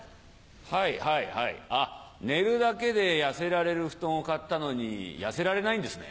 はいはいはいあっ寝るだけで痩せられる布団を買ったのに痩せられないんですね。